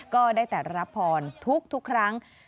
ก็ได้แต่รับพรทุกครั้ง